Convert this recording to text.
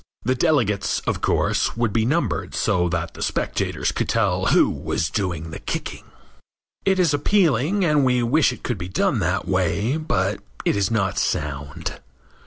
The delegates, of course, would be numbered so that the spectators could tell who was doing the kicking. It is appealing and we wish it could be done that way, but it is not sound.